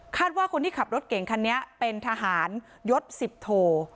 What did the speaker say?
ว่าคนที่ขับรถเก่งคันนี้เป็นทหารยศสิบโท